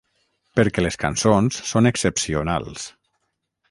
Perquè les cançons són excepcionals.